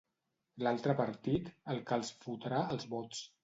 L'altre partit, el que els "fotrà" els vots.